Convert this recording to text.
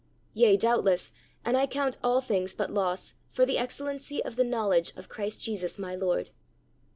Yea doubtless, and I count all things but loss for the excellency of the knowledge of Christ Jesus my Lord."